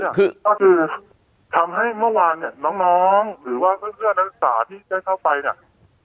คือก็คือทำให้เมื่อวานเนี่ยน้องหรือว่าเพื่อนนักศึกษาที่ได้เข้าไปเนี่ย